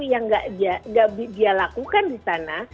yang tidak dilakukan di sana